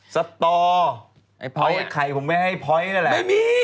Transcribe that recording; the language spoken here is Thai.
เขาอาจจะขอเบ่งมือปืนไป